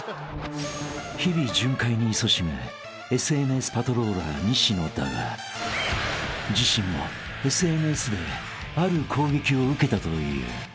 ［日々巡回にいそしむＳＮＳパトローラー西野だが自身もＳＮＳである攻撃を受けたという］